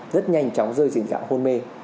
rất nhanh chóng rơi dịnh dạng hôn mê